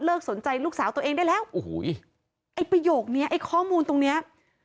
เลิกสนใจลูกสาวตัวเองได้แล้วประโยคนี้ข้อมูลตรงนี้